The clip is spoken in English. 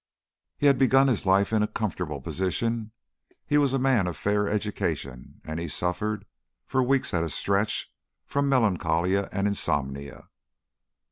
He had begun life in a comfortable position, he was a man of fair education, and he suffered, for weeks at a stretch, from melancholia and insomnia.